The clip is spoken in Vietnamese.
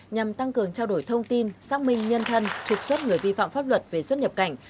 nhằm tăng cường trao đổi thông tin xác minh nhân thân trục xuất người vi phạm pháp luật về xuất nhập cảnh